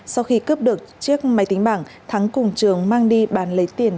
sau khi cướp được chiếc máy tính bảng thắng cùng trường mang đi bán lấy tiền